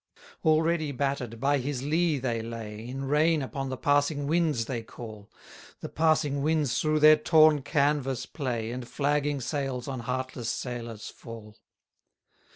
128 Already batter'd, by his lee they lay, In rain upon the passing winds they call: The passing winds through their torn canvas play, And flagging sails on heartless sailors fall.